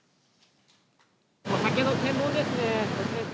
お酒の検問ですね。